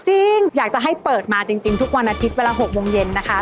จริงอยากจะให้เปิดมาจริงทุกวันอาทิตย์เวลา๖โมงเย็นนะคะ